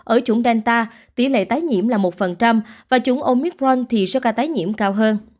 ở chủng delta tỷ lệ tái nhiễm là một và chủng omicron thì sẽ có tái nhiễm cao hơn